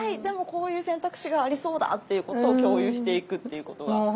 でもこういう選択肢がありそうだ」っていうことを共有していくっていうことは。